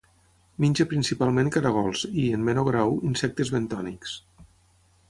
Menja principalment caragols i, en menor grau, insectes bentònics.